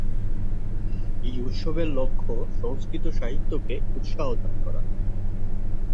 এই উৎসবের লক্ষ্য সংস্কৃত সাহিত্যকে উৎসাহ দান করা।